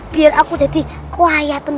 biar aku jadi kuaya tenan